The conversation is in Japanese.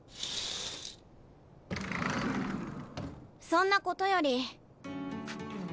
そんなことより。